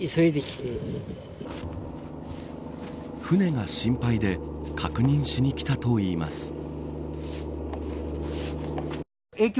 船が心配で確認しに来たといいます。